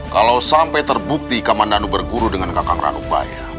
kalau sampai terbukti kamandanu berguru dengan kakak ranubaya